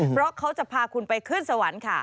เพราะเขาจะพาคุณไปขึ้นสวรรค์ค่ะ